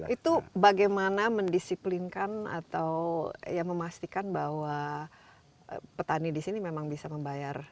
itu bagaimana mendisiplinkan atau memastikan bahwa petani di sini memang bisa membayar